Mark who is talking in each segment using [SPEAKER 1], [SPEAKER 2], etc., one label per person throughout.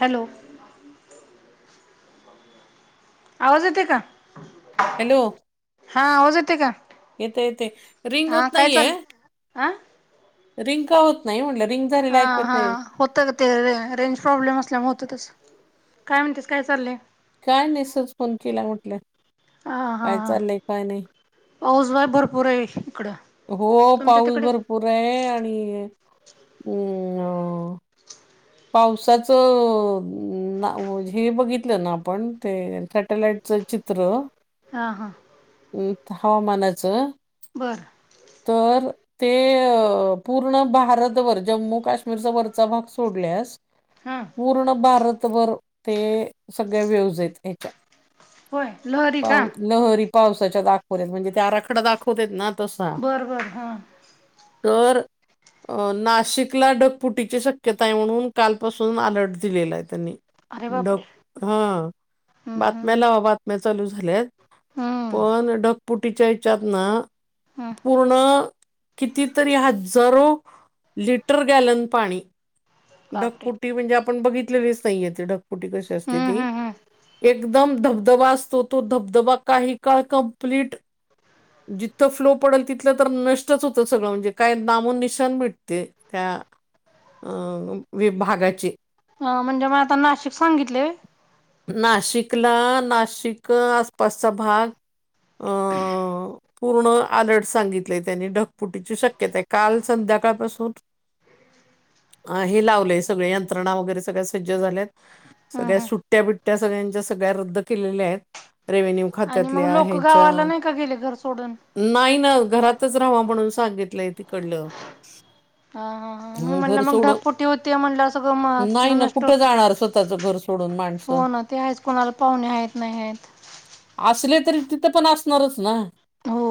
[SPEAKER 1] Hello आवाज येते का
[SPEAKER 2] हॅलो
[SPEAKER 1] हा आवाज येते का
[SPEAKER 2] येते येते रिंग होत नाहीे
[SPEAKER 1] आं
[SPEAKER 2] रिंका होत नाही म्हटलं रिंग झालेला
[SPEAKER 1] हा
[SPEAKER 2] ऐकू येत
[SPEAKER 1] हा
[SPEAKER 2] नाही
[SPEAKER 1] होतं का ते रे रेंज प्रॉब्लेम असल्यामुळे होत तस काय म्हणतेस काय चाललंय
[SPEAKER 2] काय नाही सर फोन केला म्हटलं
[SPEAKER 1] हा हा
[SPEAKER 2] काय
[SPEAKER 1] हा
[SPEAKER 2] चाललंय काय नाही
[SPEAKER 1] पाऊस बाय भरपूर आहे इकडं
[SPEAKER 2] हो
[SPEAKER 1] तुमच्या
[SPEAKER 2] पाऊस
[SPEAKER 1] तिकडे
[SPEAKER 2] भरपूर आहे आणि अम पावसाच हे बघितलं ना आपण ते सॅटेलाईटच चित्र
[SPEAKER 1] हा हां
[SPEAKER 2] हवामानाचं
[SPEAKER 1] बरं
[SPEAKER 2] तर ते पूर्ण भारतवरर जम्मू काश्मीरचा वरचा भाग सोडल्यास
[SPEAKER 1] हा
[SPEAKER 2] पूर्ण भारतभर ते सगळ्या व्यवजेत ह्याच्या
[SPEAKER 1] होय लहरी का
[SPEAKER 2] पाव लहरी पावसाच्या दाखवतत म्हणजे ते आराखडा दाखवत आहेत ना तसा
[SPEAKER 1] बरबर हा
[SPEAKER 2] तरर अ नाशिकला ढगपुटीची शक्यता आहे म्हणून कालपासून अलर्ट दिलेला आहे त्यांनी
[SPEAKER 1] अरे
[SPEAKER 2] ड
[SPEAKER 1] बापरे
[SPEAKER 2] हा
[SPEAKER 1] हम्म हम्म
[SPEAKER 2] बातम्याला बातम्या चालू झाल्यात
[SPEAKER 1] हम्म
[SPEAKER 2] पण ढगपुटीच्या हच्यात ना
[SPEAKER 1] हम्म
[SPEAKER 2] पूर्ण कितीतरी हजारो लिटर गॅलन पाणी
[SPEAKER 1] बापरे
[SPEAKER 2] गपुटी म्हणजे आपण बघित नाही येते ढगपुटी कशी असते
[SPEAKER 1] हम्म
[SPEAKER 2] ती
[SPEAKER 1] हम्म हम्म
[SPEAKER 2] एकदम धबधबा असतो तो धबधबा काही काळ कं्प्लीट जिथो फ्लोट पडेल तिथलं तर नष्टच होतं सगळं म्हणजे काय नामून निशान मिटते त्या विभागाची
[SPEAKER 1] अ म्हणजे म आता नाशिक सांगितले
[SPEAKER 2] नाशिकला नाशिक आसपासचा भाग अ पूर्ण आलर्ट सांगितलेय त्यांनी ढगपुटीची शक्यता आहे काल संध्याकाळपासून [unintelligible] [inaudible] ह हे लावलंय सगळे यंत्रणा वगैरे सगळ्या सज्ज झाल्यात
[SPEAKER 1] हम्म
[SPEAKER 2] सगळ्या सुट
[SPEAKER 1] हम्म
[SPEAKER 2] बिट्ट्या बिट्या सगळ्यांच्या सगळ्या रद्द केलेल्या आहेत रेव्हेन्यू खात
[SPEAKER 1] आणि मग लोक गावाला नाही का गेले घर सोडून
[SPEAKER 2] नाही ना घरातच राहावा म्हणून सांगितलंय तिकडलं
[SPEAKER 1] ह हा ह मी
[SPEAKER 2] हं, घर
[SPEAKER 1] म्हणलं मग
[SPEAKER 2] सोडून
[SPEAKER 1] ढगपोटी होते म्हणलं अस गं म
[SPEAKER 2] नाही
[SPEAKER 1] तिथलं
[SPEAKER 2] ना
[SPEAKER 1] नष्ट
[SPEAKER 2] कुठं
[SPEAKER 1] होते
[SPEAKER 2] जाणार स्वतःचं घर सोडून
[SPEAKER 1] हो
[SPEAKER 2] माणसं
[SPEAKER 1] ना ते आज कोणाला पाहुणे आहेत नाही आहेत
[SPEAKER 2] असले तरी तिथं पण असणारच ना
[SPEAKER 1] हो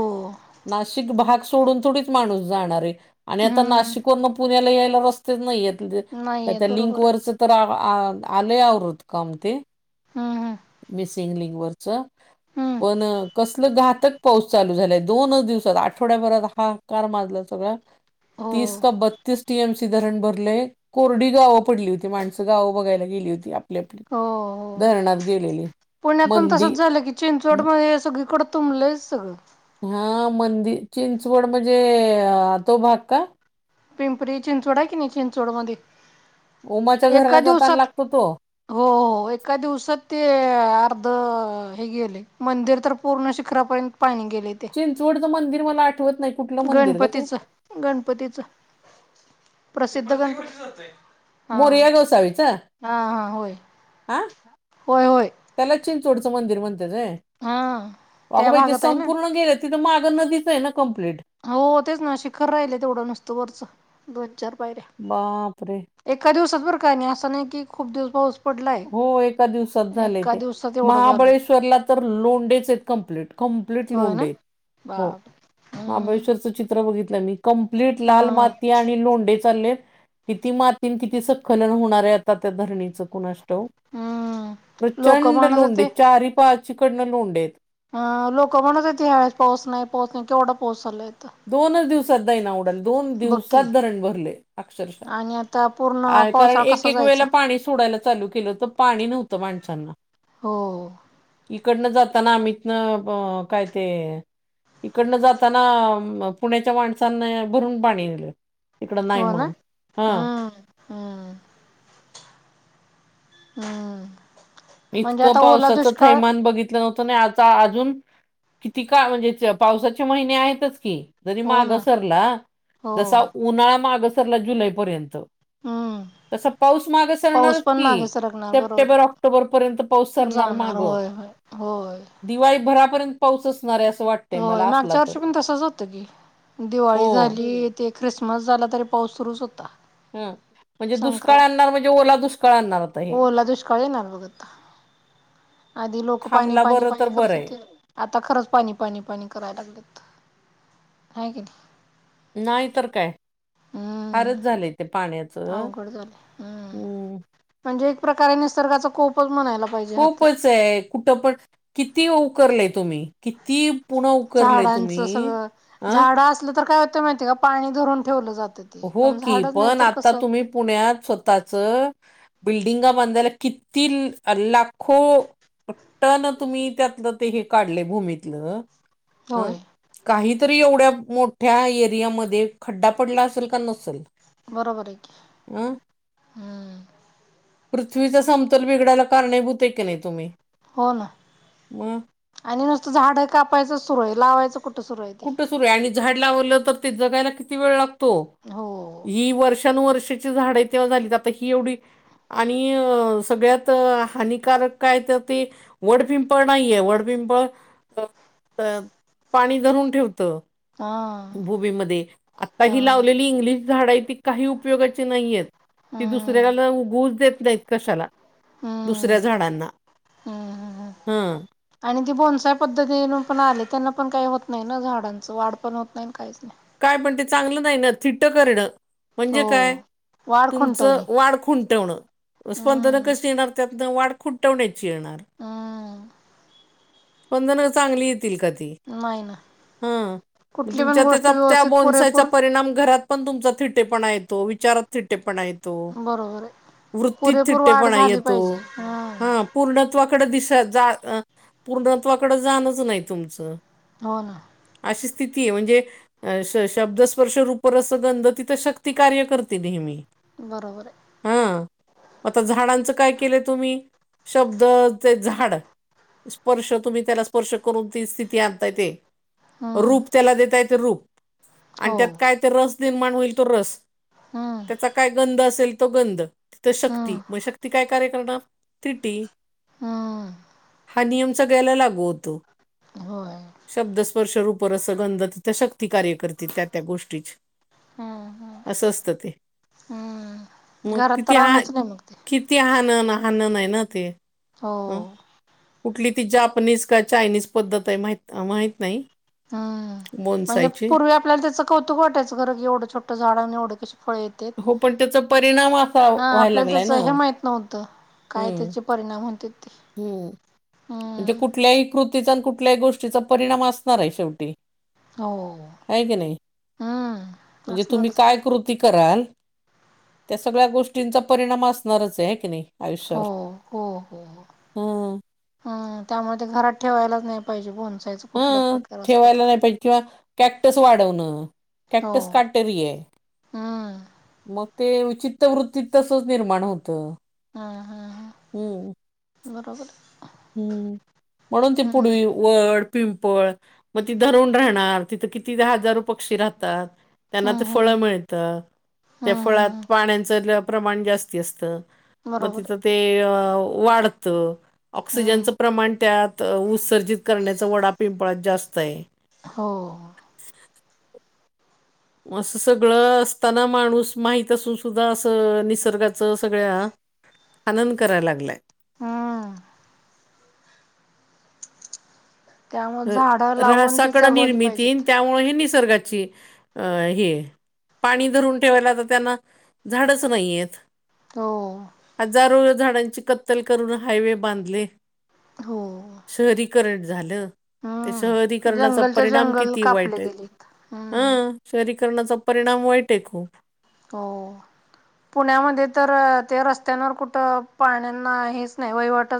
[SPEAKER 2] नाशिक भाग सोडून थोडीच माणूस जाणार आहे आणि आता
[SPEAKER 1] हम्म
[SPEAKER 2] नाशिकन पुण्याला यायला रस्त नाहीेत
[SPEAKER 1] नाही आहेत
[SPEAKER 2] त्या लिंक
[SPEAKER 1] बरोबर
[SPEAKER 2] वरच
[SPEAKER 1] आहे
[SPEAKER 2] तर आलं आवरत काम ते
[SPEAKER 1] हम्म हम्म
[SPEAKER 2] मिसिंग लिंकवररच
[SPEAKER 1] हम्म
[SPEAKER 2] पण कसल घातक पाऊस चालू झालाय दोन दिवसात आठवड्याभरात हा कार माजलं सगळं
[SPEAKER 1] हो
[SPEAKER 2] तीस का बत्तीस टीएमसी धरण भरले कोरडी गावं पडली होती माणसं गावं बघायला गेली होती आपली आपली
[SPEAKER 1] हो हो
[SPEAKER 2] धरणात गेलेली
[SPEAKER 1] पुण्यात पण
[SPEAKER 2] मंदी
[SPEAKER 1] तसंच झालं की चिंचवड मध्ये हे सगळीकड तुंबलं सगळं
[SPEAKER 2] हा मंदिर चिंचवड म्हणजे आ तो भाग का
[SPEAKER 1] पिंपरी चिंचोडा कि नाही चिंचोडवांदी
[SPEAKER 2] उमाच्या घराला जाताना लागतो तो
[SPEAKER 1] हो हो एका दिवसात ते अर्ध हे गेले मंदिर तर पूर्ण शिखरापर्यंत पाहिणे गेले ते
[SPEAKER 2] जोडचं मंदिर मला आठवत नाही कुठलं मंदिर ग ते
[SPEAKER 1] गणपतीचं गणपतीचं प्रसिद्ध गणपती हा
[SPEAKER 2] मोरया गोसावीचं
[SPEAKER 1] हा हा होय
[SPEAKER 2] हा
[SPEAKER 1] होय होय
[SPEAKER 2] त्याला चिंचोडचं मंदिर म्हणतात
[SPEAKER 1] हा
[SPEAKER 2] अगं
[SPEAKER 1] त्या
[SPEAKER 2] बाई ते
[SPEAKER 1] भागात आहे ना
[SPEAKER 2] संपूर्ण गेले तिथं मागं नदीचं कम्पलेट
[SPEAKER 1] हो तेच ना शिखर राहिले तेवढं नुसतं वरचं दोन चार पायऱ्या
[SPEAKER 2] बापरे
[SPEAKER 1] एका दिवसच बर काय नाही असं नाही की खूप दिवस पाऊच
[SPEAKER 2] हो एका दिवसात झालेय ते
[SPEAKER 1] दिवसात एवढं झालंय
[SPEAKER 2] महाबळेश्वरला तर लोंडेच आहेत कंप्लीट क लेट
[SPEAKER 1] होय ना
[SPEAKER 2] लंडे हो
[SPEAKER 1] बाप हम्म
[SPEAKER 2] महाबळेश्वरचं चित्र बघितलं मी कंप्लीट
[SPEAKER 1] हा
[SPEAKER 2] लाल माती आणि लोंडे चा किती मातीत किती सखलन होणार आहे आता त्या धरणीच कुणाष्टव
[SPEAKER 1] हम्म लोक
[SPEAKER 2] प्रचंड
[SPEAKER 1] म्हणत
[SPEAKER 2] लोंडे
[SPEAKER 1] होते
[SPEAKER 2] चार पाची कडनं लोंडेेत
[SPEAKER 1] अ लोक म्हणत होतीत ह्यावेस पाऊस नाही पाऊस नाही केवढं पाऊस आहे
[SPEAKER 2] दोनच दिवसात दैना उडाल दोन
[SPEAKER 1] बघ की
[SPEAKER 2] दिवसात धरण भरले अक्षरशः
[SPEAKER 1] आणि आता पूर्ण
[SPEAKER 2] अ कारण
[SPEAKER 1] पावसाळा
[SPEAKER 2] एक
[SPEAKER 1] कसा
[SPEAKER 2] एक
[SPEAKER 1] जायचा
[SPEAKER 2] वेळेला पाणी सोडायला चालू केलं होत पाणी नव्हतं माणसांना
[SPEAKER 1] हो
[SPEAKER 2] इकडनं जाताना आम्ही इतन काय ते इकडनं जाताना म पुण्याच्या माणसांना भरून पाणी दिलं तिकड नाही
[SPEAKER 1] हो ना
[SPEAKER 2] म्हणून ह
[SPEAKER 1] हम्म हम्म हमम
[SPEAKER 2] इतकं पावसाचं थैमान बघित नव्हतं ना आता अजून किती काय म्हणजे चं पावसाचे महिने आहेतच की जरी
[SPEAKER 1] हो
[SPEAKER 2] माग
[SPEAKER 1] ना
[SPEAKER 2] सरला
[SPEAKER 1] हो
[SPEAKER 2] जसा उन्हाळा माग सरला जुलैपर्यंत
[SPEAKER 1] हम्म
[SPEAKER 2] तस पाऊस माग सरणार
[SPEAKER 1] पाऊस पण मागे
[SPEAKER 2] की
[SPEAKER 1] सरकणार बरोबर
[SPEAKER 2] सप्टेंबर ऑक् तो पर्यंत पाऊस
[SPEAKER 1] आहे
[SPEAKER 2] सरणार
[SPEAKER 1] जाणार
[SPEAKER 2] माग
[SPEAKER 1] होय होय होय
[SPEAKER 2] दिवाळीभरापर्यंत पाऊस असणार आहे असं वाट
[SPEAKER 1] हो मागच्या वर्षी पण तसच होतं की
[SPEAKER 2] हो
[SPEAKER 1] दिवाळी झाली ते ख्रिसमस झाला तरी पाऊस सुरूच होता.
[SPEAKER 2] ह म्हणजे दुष्काळ
[SPEAKER 1] संक्रांत
[SPEAKER 2] आणणार म्हणजे ओला दुष्काळ आणणार आत
[SPEAKER 1] ओला दुष्काळ येणार बघ आता आधी लोक पाणी
[SPEAKER 2] थांबला
[SPEAKER 1] पाणी
[SPEAKER 2] बरं तर
[SPEAKER 1] पाणी
[SPEAKER 2] बरं
[SPEAKER 1] करत
[SPEAKER 2] आहे
[SPEAKER 1] होते. आता खरंच पाणी पाणी पाणी करायला लागलेत हाय की नाय.
[SPEAKER 2] नाय तर काय
[SPEAKER 1] हम्म
[SPEAKER 2] फारच झालंय ते पाण्यात
[SPEAKER 1] अवघड झाले हम्म म्हणजे एक प्रकारे निसर्गाचा कोपच म्हणायला पाहिजे हा तर
[SPEAKER 2] खूपच आहे कुठं पण किती उकरलय तुम्ही किती पुण
[SPEAKER 1] झाडांचं सगळं झाडं असलं तर काय होतं माहितीय का पाणी धरून ठेवलं जातं. ते
[SPEAKER 2] हो
[SPEAKER 1] पण
[SPEAKER 2] की
[SPEAKER 1] झाडच नाही
[SPEAKER 2] पण
[SPEAKER 1] तर
[SPEAKER 2] आता
[SPEAKER 1] कसं
[SPEAKER 2] तुम्ही पुण्यात स्वतःच बिल्डिंगा बांधायला किती लाखो पट्टन तुम्ही त्यातलं ते हे काढलय भूमीतलं अ
[SPEAKER 1] होय
[SPEAKER 2] काहीतरी एवढ्या मोठ्या एरियामध्ये खड्डा पडला असल. पण नसल.
[SPEAKER 1] बरोबरये की हम्म
[SPEAKER 2] पृथ्वीचा समतोल बिघडायला कारणीभूत आहे की नाय तुम्ही
[SPEAKER 1] हो ना
[SPEAKER 2] मग
[SPEAKER 1] आणि नुसतं झाड कापायचं सुरू आहे लावायचं कुठं सुरु आहे ते
[SPEAKER 2] कुठं सुरू आहे आणि झाड लावलं तर ते जगायला किती वेळ लागतो.
[SPEAKER 1] हो.
[SPEAKER 2] ही वर्षानुवर्षाची झाड आहे तेव्हा झाली आता ही एवढी आणि सगळ्यात हानिकारक काय त ते वडपिंपळ नाहीये वडपिंपळ अ पाणी धरून ठेवत.
[SPEAKER 1] हा.
[SPEAKER 2] भुमिमध्ये आता
[SPEAKER 1] हा
[SPEAKER 2] ही लावलेली इंग्लिश झाडं आहे ती काही उपयोगाची नाहीयेत. ती
[SPEAKER 1] हम्म
[SPEAKER 2] दुसऱ्याला उगूच देत नाहीत कशाला. दुसऱ्या
[SPEAKER 1] हम्म
[SPEAKER 2] झाडांना
[SPEAKER 1] हम्म
[SPEAKER 2] हं
[SPEAKER 1] आणि ती बोनसाय पद्धती पण आले त्यांना पण काय होत नाय ना झाडांच वाढ पण होत नाय काहीच नाय.
[SPEAKER 2] काय पण ते चांगलं नाही ना थिट्ट करणं. म्हणजे
[SPEAKER 1] हो
[SPEAKER 2] काय
[SPEAKER 1] वाढ
[SPEAKER 2] तुमचं
[SPEAKER 1] खुंटवणे
[SPEAKER 2] वाढ खुंटवणं. स्पंदन
[SPEAKER 1] हम्म
[SPEAKER 2] कशी येणार त्यातनं वाट खुंटवण्याची येणार.
[SPEAKER 1] हम्म
[SPEAKER 2] स्पंदन चांगली येतील का ती
[SPEAKER 1] नाही ना
[SPEAKER 2] हं
[SPEAKER 1] कुठली पण
[SPEAKER 2] तुमच्या
[SPEAKER 1] गोष्ट
[SPEAKER 2] त्याचा त्या
[SPEAKER 1] व्यवस्थित
[SPEAKER 2] बोनसायचा
[SPEAKER 1] पुरेपूर
[SPEAKER 2] परिणाम घरात पण तुमचा थिटे पणा येतो विचारात थिटे पणा येत. तो
[SPEAKER 1] बरोबर आहे.
[SPEAKER 2] वृत्तीत
[SPEAKER 1] पुरेपूर वाढ
[SPEAKER 2] थिट्टेपणा
[SPEAKER 1] झाली
[SPEAKER 2] येतो
[SPEAKER 1] पाहिजे.
[SPEAKER 2] हा
[SPEAKER 1] हम्म
[SPEAKER 2] पूर्णत्वाकडे दिश जा अ पूर्णत्वाकड जाणच नाही तुमचं
[SPEAKER 1] हो ना
[SPEAKER 2] अशी स्थिती आहे म्हणजे अ श शब्दस्पर्श रूप रस गंध तिथं शक्ती कार्य करते नेहमी.
[SPEAKER 1] बरोबर आहे.
[SPEAKER 2] हा आता झाडांच काय केलं तुम्ही शब्द ते झाड स्पर्श तुम्ही त्याला स्पर्श करून ती स्थिती आणताय ते
[SPEAKER 1] हम्म
[SPEAKER 2] रूप त्याला देता येत रूप आणि
[SPEAKER 1] हो
[SPEAKER 2] त्यात काय ते रस निर्माण होईल तो रस
[SPEAKER 1] हम्म
[SPEAKER 2] त्याचा काय गंध असेल तो गंध तिथ शक्ती
[SPEAKER 1] हम्म
[SPEAKER 2] मग शक्ती काय कार्य करणार. थिटी
[SPEAKER 1] हा
[SPEAKER 2] हा नियम सगळ्यायला लागू होतो.
[SPEAKER 1] होय.
[SPEAKER 2] शब्द, स्पर्श, रूप, रस, गंध तिथं शक्ती कार्य करती त्या त्या गोष्टीची.
[SPEAKER 1] हम्म हम्म
[SPEAKER 2] असं असत ते
[SPEAKER 1] हम्म
[SPEAKER 2] मग
[SPEAKER 1] घरात
[SPEAKER 2] किती
[SPEAKER 1] तर
[SPEAKER 2] हा
[SPEAKER 1] आणूच नाही मग ते
[SPEAKER 2] किती हाणण हाणण हाय ना ते.
[SPEAKER 1] हो.
[SPEAKER 2] हं. कुठली ती जापनीज का चायनीज पद्धत आहे माही माहित नाही.
[SPEAKER 1] हम्म म्हणजे
[SPEAKER 2] बोनसायची
[SPEAKER 1] पूर्वी आपल्याला त्याचं कौतुक वाटायचं खर की एवढं छोटं झाड आन एवढे कशी फळे येत तेत
[SPEAKER 2] हो पण त्याचा परिणाम असा
[SPEAKER 1] हां
[SPEAKER 2] व्हायला
[SPEAKER 1] आपल्याला
[SPEAKER 2] लागलाय
[SPEAKER 1] त्याच
[SPEAKER 2] ना
[SPEAKER 1] हे माहित नव्हतं काय
[SPEAKER 2] हम्म
[SPEAKER 1] त्याची परिणाम होईन ते.
[SPEAKER 2] अण ते
[SPEAKER 1] हम्म
[SPEAKER 2] कुठल्याही कृतीचा आण कुठल्याही गोष्टीचा परिणाम असणार आहे शेवटीं.
[SPEAKER 1] हो
[SPEAKER 2] हाय की नाही
[SPEAKER 1] हम्म
[SPEAKER 2] म्हणजे तुम्ही
[SPEAKER 1] असणारच की
[SPEAKER 2] काय कृती कराल त्या सगळ्या गोष्टींचा परिणाम असणारच हाय की नाही?
[SPEAKER 1] हो
[SPEAKER 2] आयुष्यावर
[SPEAKER 1] हो हो.
[SPEAKER 2] हं
[SPEAKER 1] हम्म त्यामुळे ते घरात ठेवायलाच नाही पाहिजे बोन्स
[SPEAKER 2] हं ठेवायला नाही पाहिजे किंवा कॅक्टस वाढवणं
[SPEAKER 1] हो
[SPEAKER 2] कॅक्टस काटेरी य.
[SPEAKER 1] हम्म
[SPEAKER 2] मग ते विचित्र वृत्तीत तसंच निर्माण होतं.
[SPEAKER 1] हां हां
[SPEAKER 2] हम्म
[SPEAKER 1] बरोबर.
[SPEAKER 2] हम्म म्हणून ती
[SPEAKER 1] हम्म
[SPEAKER 2] पुढं यू वड पिंपळ मग ती धरून राहणार तिथं किती हजारो पक्षी राहतात. त्यांना ते
[SPEAKER 1] हम्म
[SPEAKER 2] फळ
[SPEAKER 1] हम्म
[SPEAKER 2] मिळत त्या
[SPEAKER 1] हम्म
[SPEAKER 2] फळांत
[SPEAKER 1] हम्म
[SPEAKER 2] पाण्याचं प्रमाण जास्ती असत मग
[SPEAKER 1] बरोबर आहे.
[SPEAKER 2] तिथं ते अ वाढतं.
[SPEAKER 1] हम्म
[SPEAKER 2] ऑक्सिजनचं प्रमाण त्यात उत्सर्जित करण्याचं वडा पिंपळात जास्त आहे.
[SPEAKER 1] हो.
[SPEAKER 2] असं सगळं असताना माणूस माहीत असून सुद्धा असं निसर्गाचं सगळ्या हनन करायला लागलाय.
[SPEAKER 1] हम्म. त्यामुळे झाडं
[SPEAKER 2] रा
[SPEAKER 1] लावून ती
[SPEAKER 2] ऱ्हासाकड
[SPEAKER 1] जगवली
[SPEAKER 2] निर्मिती न
[SPEAKER 1] पाहिजेत
[SPEAKER 2] त्यामुळे ही निसर्गाची अ हे य. पाणी धरून ठेवायला तर त्यांना झाडच नाहीयेत.
[SPEAKER 1] हो.
[SPEAKER 2] हजारो झाडांची कत्तल करून हायवे बांधले
[SPEAKER 1] हो
[SPEAKER 2] शहरी करण झाल
[SPEAKER 1] हम्म
[SPEAKER 2] शहरीकरणाचा
[SPEAKER 1] जंगलच्या
[SPEAKER 2] परिणाम
[SPEAKER 1] जंगल
[SPEAKER 2] किती
[SPEAKER 1] कापले
[SPEAKER 2] वाईट आहेत.
[SPEAKER 1] गेलेत हम्म
[SPEAKER 2] हां शहरीकरणाचा परिणाम वाईट आहे खूप.
[SPEAKER 1] हो. पुण्यामध्ये तर ते रस्त्यांवर कुठं पाण्यांना हेच नाही वहिवट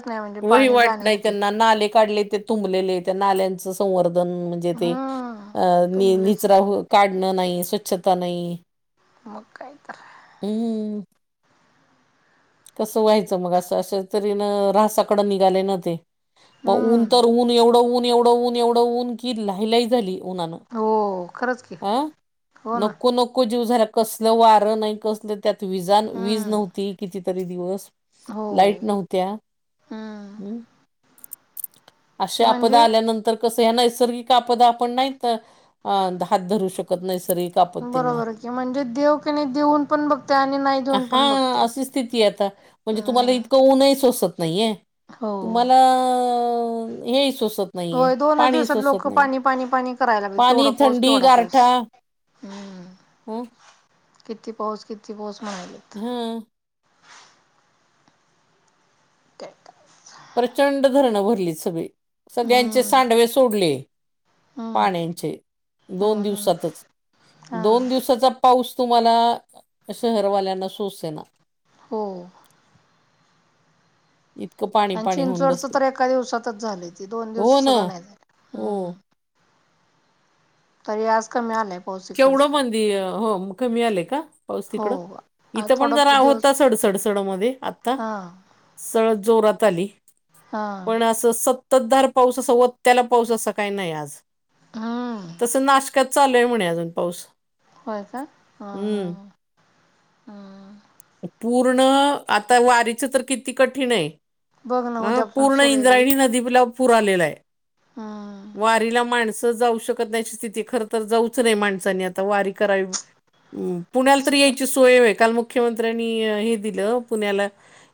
[SPEAKER 2] वहीवाट नाही त्यांना नाले काढले ते तुंबलेले त्या नाल्यांच संवर्धन म्हणजे ते
[SPEAKER 1] हम्म
[SPEAKER 2] अ नि
[SPEAKER 1] तुंबलेच
[SPEAKER 2] निचरा हो काढणं नाही स्वच्छता नाही.
[SPEAKER 1] हाव काय तर
[SPEAKER 2] हम्म. कसं व्हायचं मग असं अस तरी न ऱ्हासाकडं निघाले ना ते. मग ऊन तर
[SPEAKER 1] हम्म
[SPEAKER 2] ऊन एवढं ऊन एवढं ऊन एवढं ऊन की लहिलाही झाली ऊणानं.
[SPEAKER 1] हो खरंच की
[SPEAKER 2] अं
[SPEAKER 1] हो ना
[SPEAKER 2] नको नको जीव झाला कसल वारं नाही कसलं त्यात विजा वीज
[SPEAKER 1] हम्म
[SPEAKER 2] नव्हती कितीतरी दिवस
[SPEAKER 1] हो
[SPEAKER 2] लाईट नव्हती त्या हम्म अशा आपदा
[SPEAKER 1] म्हणजे
[SPEAKER 2] आल्यानंतर कसं या नैसर्गिक आपदा आपण नाही त न अ हात धरू शकत नैसर्गिक आपत्तींना
[SPEAKER 1] बरोबर की म्हणजे देव कि नाही देऊन पण बघते आणि नाही देऊन पण बघते.
[SPEAKER 2] किती आता म्हणजे तुम्हाला
[SPEAKER 1] हम्म
[SPEAKER 2] इतकं ऊनंही सोचत नाहीये.
[SPEAKER 1] हो
[SPEAKER 2] तुम्हाला ऊ हेई सोस
[SPEAKER 1] होय, दोन दिवसात लोक पाणी, पाणी, पाणी, करायला लागल
[SPEAKER 2] पाणी,
[SPEAKER 1] केवढा पाऊस
[SPEAKER 2] थंडी,
[SPEAKER 1] केवढा पाऊस.
[SPEAKER 2] गारठा
[SPEAKER 1] हम्म!
[SPEAKER 2] [unintelligible]
[SPEAKER 1] किती पाऊस किती पाऊस म्हणाले?
[SPEAKER 2] हम.
[SPEAKER 1] [unintelligible]
[SPEAKER 2] प्रचंड धरणं भरली सगळी, सगळ्यांचे
[SPEAKER 1] हम्म
[SPEAKER 2] सांडवे सोडले.
[SPEAKER 1] हम्म
[SPEAKER 2] पाण्याचे दोन
[SPEAKER 1] हम्म हम्म
[SPEAKER 2] दिवसातचं
[SPEAKER 1] हां
[SPEAKER 2] दोन दिवसाचा पाऊस तुम्हाला शहरवाल्यांना सोसना.
[SPEAKER 1] हो.
[SPEAKER 2] इतकं पा
[SPEAKER 1] आणि चिंचवडच तर एका दिवसातच झालयं, ती दोन दिवस सुद्धा नाही झालं.
[SPEAKER 2] ओ
[SPEAKER 1] तरी आज कमी आलयं.
[SPEAKER 2] केवढं [unintelligible] हो, म कमी आले का? पाऊस
[SPEAKER 1] हो
[SPEAKER 2] तिकडं,
[SPEAKER 1] आज
[SPEAKER 2] इथं पण
[SPEAKER 1] थोडा
[SPEAKER 2] जरा
[SPEAKER 1] दिवस
[SPEAKER 2] होता सडसडसड मध्ये आता
[SPEAKER 1] हा
[SPEAKER 2] सळ जोरात आली,
[SPEAKER 1] हा
[SPEAKER 2] पण असं संततधार पाऊस अस वत्याला पाऊस अस काही नाही, आज.
[SPEAKER 1] हा.
[SPEAKER 2] [unintelligible] नाशिकात चालूय म्हणे, अजून पाऊस.
[SPEAKER 1] होय, का? हा हा
[SPEAKER 2] हम्म
[SPEAKER 1] हा.
[SPEAKER 2] पूर्ण आता वारीचं तर, किती कठीण आहे?
[SPEAKER 1] बघ ना
[SPEAKER 2] हा
[SPEAKER 1] उद्यापासून
[SPEAKER 2] पूर्ण
[SPEAKER 1] सुरू आहे
[SPEAKER 2] इंद्रायणी नदीला पूर आलेला आहे.
[SPEAKER 1] हा.
[SPEAKER 2] वारीला माणसं जाऊ शकत नाही, स्थिती खरं तर जाऊच नाही, माणसांनी आता वारी करावी. हम पुण्याला तर
[SPEAKER 1] कसं करत
[SPEAKER 2] यायची सोय ये होय. [unintelligible] मुख्यमंत्र्यांनी हे दिलं पुण्याला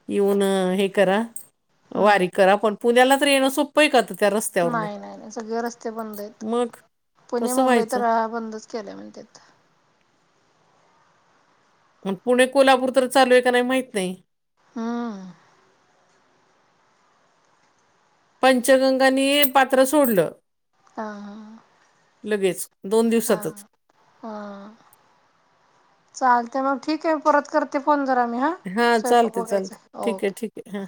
[SPEAKER 2] येऊन हे करा. वारी
[SPEAKER 1] हम्म
[SPEAKER 2] करा पण पुण्याला तर, येणं सोपं का त्या रस्त?
[SPEAKER 1] नाही नाही नाही सगळे रस्ते बंद आहेत.
[SPEAKER 2] मग
[SPEAKER 1] पुणे,
[SPEAKER 2] कसं
[SPEAKER 1] मुंबई
[SPEAKER 2] व्हायचं
[SPEAKER 1] तर, [unintelligible] बंदच केल्या म्हणत्यात.
[SPEAKER 2] मग पुणे, कोल्हापूर तर चालू आहे का नाही, माहित नाही?
[SPEAKER 1] हा.
[SPEAKER 2] पंचगंगांनी पात्र सोडलं.
[SPEAKER 1] हा.
[SPEAKER 2] लगेच दोन
[SPEAKER 1] हा
[SPEAKER 2] दिवसातच.
[SPEAKER 1] हा. चालते मग ठीक आहे, परत करते फोन जरा मी हा.
[SPEAKER 2] हा
[SPEAKER 1] स्वयंपाक
[SPEAKER 2] चालते
[SPEAKER 1] बघायचा
[SPEAKER 2] चालते, ठीक आहे
[SPEAKER 1] ओके
[SPEAKER 2] ठीक आहे हा.